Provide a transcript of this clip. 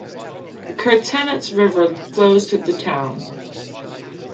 The Kerzhenets River flows through the town.